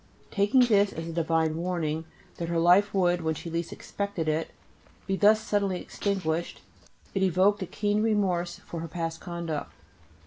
Taking this as a divine warning that her life would, when she least expected it, be thus suddenly extinguished, it evoked a keen remorse for her past conduct.